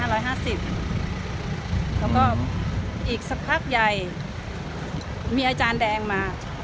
แล้วก็อีกสักพักใหญ่มีอาจารย์แดงมา